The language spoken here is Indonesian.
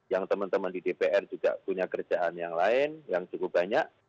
yang teman teman di dpr juga punya kerjaan yang lain yang cukup banyak